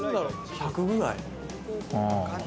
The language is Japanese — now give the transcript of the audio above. １００ぐらい？